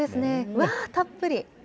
わー、たっぷり。